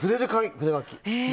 筆書き。